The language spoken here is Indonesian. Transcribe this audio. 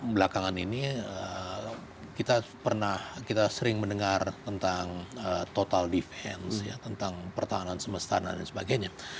belakangan ini kita pernah kita sering mendengar tentang total defense tentang pertahanan semesta dan sebagainya